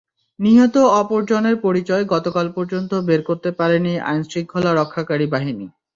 নিহত অপরজনের পরিচয় গতকাল পর্যন্ত বের করতে পারেনি আইনশৃঙ্খলা রক্ষাকারী বাহিনী।